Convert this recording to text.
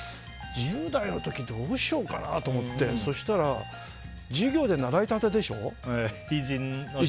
どうしようかなと思ってそうしたら授業で習いたてでしょ、偉人は。